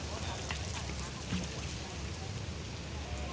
สวัสดีครับทุกคน